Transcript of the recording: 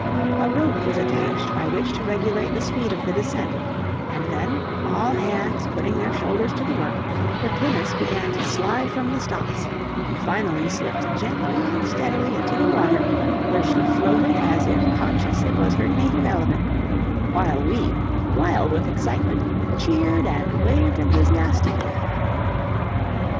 A rope was attached by which to regulate the speed of the descent, and then, all hands putting their shoulders to the work, the pinnace began to slide from the stocks, and finally slipped gently and steadily into the water, where she floated as if conscious it was her native element; while we, wild with excitement, cheered and waved enthusiastically.